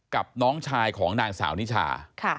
กับน้องชายของนางสาวนิชา